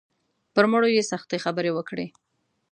پر مړو یې سختې خبرې وکړې.